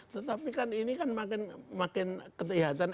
tetapi kan ini kan makin kelihatan